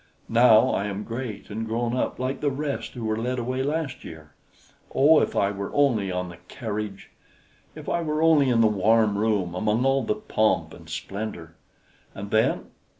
Now I am great and grown up, like the rest who were led away last year. Oh, if I were only on the carriage! If I were only in the warm room, among all the pomp and splendor! And then?